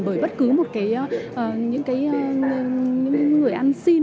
bởi bất cứ một cái những cái người ăn xin